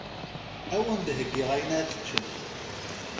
Awen-d heggiɣ ayen ad teččem.